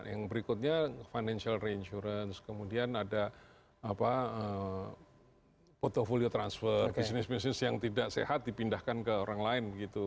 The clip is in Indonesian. yang berikutnya financial reinsurance kemudian ada portfolio transfer bisnis bisnis yang tidak sehat dipindahkan ke orang lain